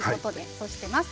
そうしています。